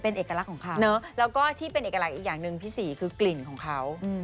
เป็นเอกลักษณ์ของเขาเนอะแล้วก็ที่เป็นเอกลักษณ์อีกอย่างหนึ่งพี่สี่คือกลิ่นของเขา